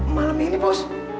malam ini bos